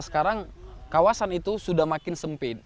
sekarang kawasan itu sudah makin sempit